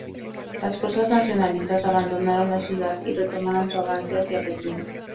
Las fuerzas nacionalistas abandonaron la ciudad y retomaron su avance hacia Pekín.